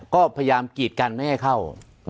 ก็พยายามกีดกันไม่ให้เข้า